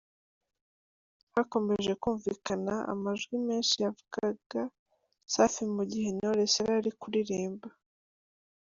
hakomeje kumvikana amajwi menshi yavugaga Safi mu gihe Knowles yarari kuririmba.